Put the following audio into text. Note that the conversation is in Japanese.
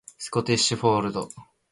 スコティッシュフォールド